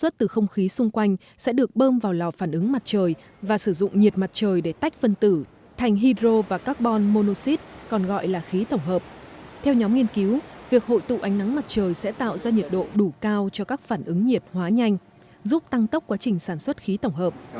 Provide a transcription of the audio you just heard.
theo nhóm nghiên cứu việc hội tụ ánh nắng mặt trời sẽ tạo ra nhiệt độ đủ cao cho các phản ứng nhiệt hóa nhanh giúp tăng tốc quá trình sản xuất khí tổng hợp